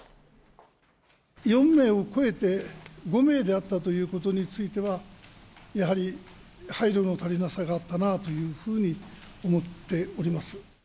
４名を超えて５名であったということについては、やはり配慮の足りなさがあったなというふうに思っております。